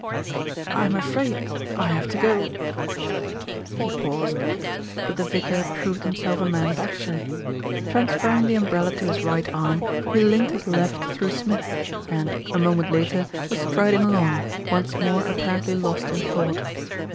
"I'm afraid I have to go " he paused; but the vicar proved himself a man of action. Transferring the umbrella to his right arm, he linked his left through Smith's and, a moment later, was strid ing along, once more apparently lost in thought.